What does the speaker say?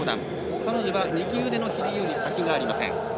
彼女は右腕のひじより先がありません。